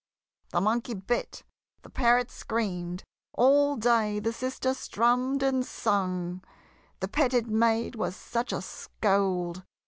The Monkey bit the Parrot scream'd All day the sister strumm'd and sung; The petted maid was such a scold!